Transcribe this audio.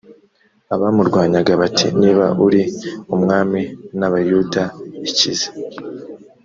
abamurwanyaga bati” niba uri umwami n’abayuda ikize.